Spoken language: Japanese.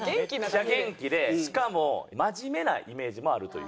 めっちゃ元気でしかも真面目なイメージもあるという。